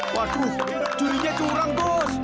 waduh jurinya curang bos